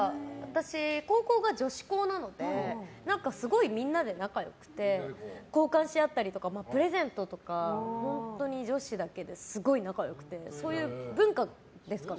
高校が女子高なのですごいみんなで仲良くて交換し合ったりとかプレゼントとか本当に女子だけですごい仲良くてそういう文化ですかね。